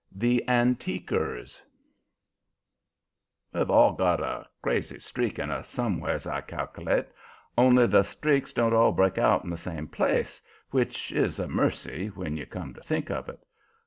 THE ANTIQUERS We've all got a crazy streak in us somewheres, I cal'late, only the streaks don't all break out in the same place, which is a mercy, when you come to think of it.